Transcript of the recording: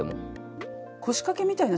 腰掛けみたいな？